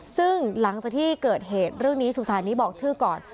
ซึ่งหลังจากที่เกิดเหตุเรื่องนี้สุสานนี้บอกชื่อก่อน